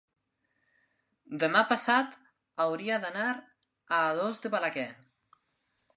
demà passat hauria d'anar a Alòs de Balaguer.